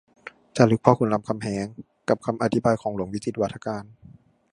จารึกพ่อขุนรามคำแหง กับคำอธิบายของหลวงวิจิตรวาทการ